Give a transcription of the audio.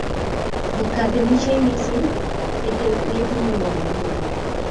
Ngot katameamishei mising, ketemetinye rwondo nguno